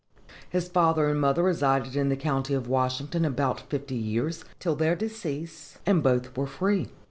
His father and mother resided in the county of Washington about fifty years, till their decease, and were both free.